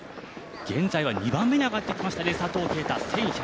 現在は２番目に上がってきましたね、佐藤圭汰。